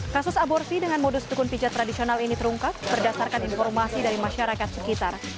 kasus aborsi dengan modus dukun pijat tradisional ini terungkap berdasarkan informasi dari masyarakat sekitar